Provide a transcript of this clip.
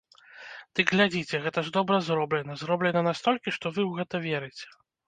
Дык глядзіце, гэта ж добра зроблена, зроблена настолькі, што вы ў гэта верыце!